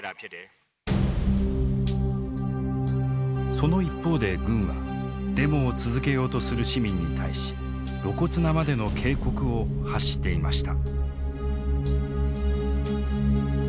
その一方で軍はデモを続けようとする市民に対し露骨なまでの警告を発していました。